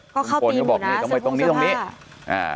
ก็เข้าติหนูนะเสื้อพุงเสื้อผ้า